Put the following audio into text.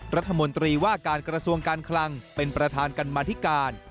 รัฐมนตรีว่าการกระทรวงการคลังเป็นประธานกรรมธิการ